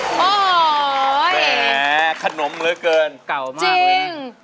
โอ้ยแหมขนมเลยเกินเก่ามากเลยนะจริง